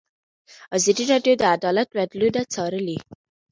ازادي راډیو د عدالت بدلونونه څارلي.